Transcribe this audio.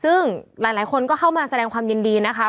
ซึ่งหลายคนก็เข้ามาแสดงความยินดีนะคะ